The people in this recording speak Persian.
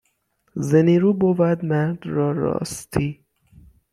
ز نیرو بود مرد را راستی